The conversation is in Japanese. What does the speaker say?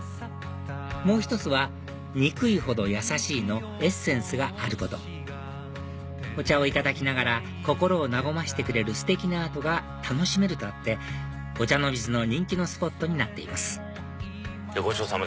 もう１つは「ニクイホドヤサシイ」のエッセンスがあることお茶をいただきながら心を和ませてくれるステキなアートが楽しめるとあって御茶ノ水の人気のスポットになっています